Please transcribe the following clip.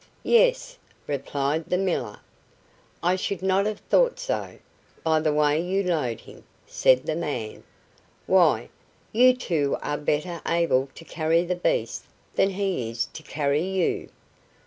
"Yes," replied the miller. "I should not have thought so, by the way you load him," said the man. "Why, you two are better able to carry the beast than he is to carry you."